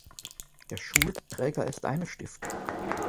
Der Schulträger ist eine Stiftung.